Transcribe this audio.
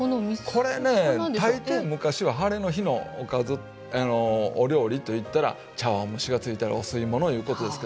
これね大抵昔はハレの日のおかずお料理といったら茶わん蒸しがついたりお吸い物いうことですけども。